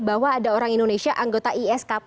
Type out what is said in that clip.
bahwa ada orang indonesia anggota iskp